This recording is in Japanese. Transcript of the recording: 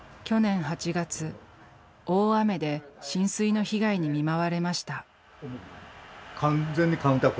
去年８月大雨で浸水の被害に見舞われました。